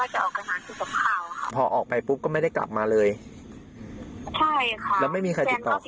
ฉันก็ติดต่อไม่ได้เลยค่ะ